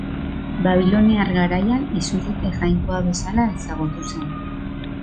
Babiloniar garaian izurrite jainkoa bezala ezagutu zen.